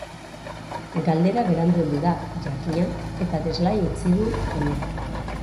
Galdera berandu heldu da, jakina, eta deslai utzi du gainera.